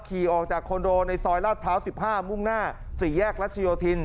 ขี่ออกจากคอนโดในซอยลาดพร้าว๑๕มุ่งหน้า๔แยกรัชโยธิน